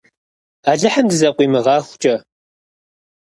Алыхьым дызэкъуимыгъэхукӏэ!